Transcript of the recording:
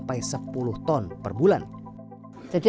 jadi alhamdulillah kalau mereka awalnya tidak sadar